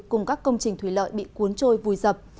cùng các công trình thủy lợi bị cuốn trôi vùi dập